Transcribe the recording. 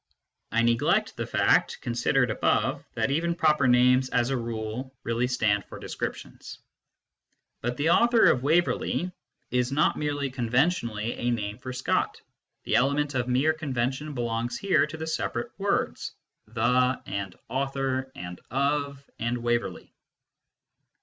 (I neglect the fact, considered above, that even proper names, as a rule, really stand for descriptions.) But the author of Waverley is not merely conventionally a name for Scott ; the element of mere convention belongs here to the separate words, the and author and of and Waverley.